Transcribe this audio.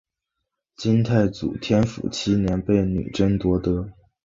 金太祖天辅七年被女真夺得。